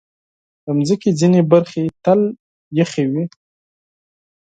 د مځکې ځینې برخې تل یخې وي.